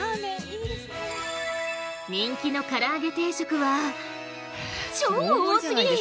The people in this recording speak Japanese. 人気の唐揚げ定食は超多過ぎ！